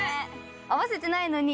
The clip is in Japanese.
合わせてないのに。